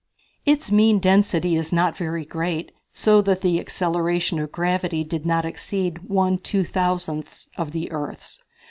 Its mean density is not very great so that the acceleration of gravity did not exceed one two thousandths of the earth's.